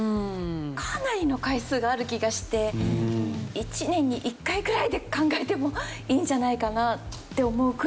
かなりの回数がある気がして１年に１回くらいで考えてもいいんじゃないかなって思うくらい。